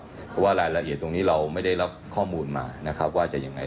เพราะว่ารายละเอียดตรงนี้เราไม่ได้รับข้อมูลมานะครับว่าจะยังไง